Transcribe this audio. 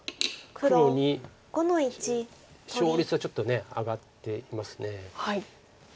黒に勝率はちょっと上がっています。